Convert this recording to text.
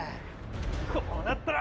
こうなったら！